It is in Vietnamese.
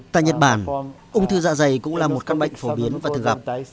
tại nhật bản ung thư dạ dày cũng là một căn bệnh phổ biến và thường gặp